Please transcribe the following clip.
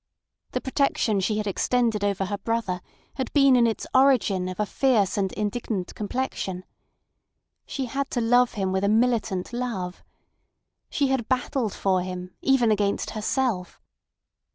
The protection she had extended over her brother had been in its origin of a fierce and indignant complexion. She had to love him with a militant love. She had battled for him—even against herself.